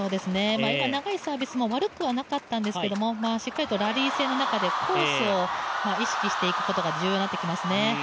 今、長いサービスも悪くはなかったんですけれどもしっかりとラリー戦の中でコースを意識していくことが重要になってきますね。